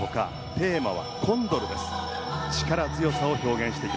テーマはコンドル。